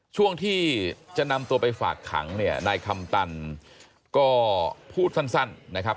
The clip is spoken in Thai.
ช่วงที่จะนำตัวไปฝากขังเนี่ยนายคำตันก็พูดสั้นนะครับ